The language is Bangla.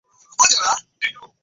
হাজার টাকা ধার নিয়েছি।